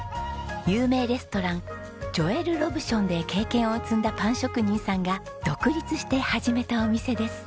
有名レストランジョエル・ロブションで経験を積んだパン職人さんが独立して始めたお店です。